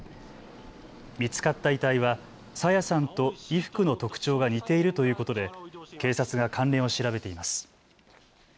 見つかった遺体は朝芽さんと衣服の特徴が似ているということで警察が関連を調べています。